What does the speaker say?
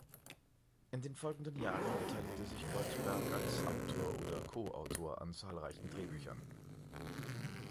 In den folgenden Jahren beteiligte sich Goldberg als Autor oder Co-Autor an zahlreichen Drehbüchern.